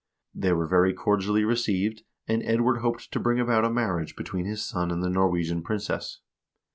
They were very cordially received, and Edward hoped to bring about a marriage between his son and the Norwegian princess.